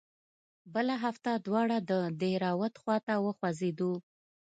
بله هفته دواړه د دهراوت خوا ته وخوځېدو.